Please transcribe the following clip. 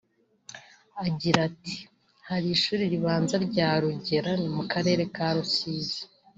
Agira ati “Hari ishuri ribanza rya Rugera ni mu karere ka Rusizi